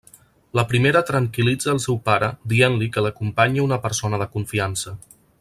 La primera tranquil·litza el seu pare dient-li que l'acompanya una persona de confiança.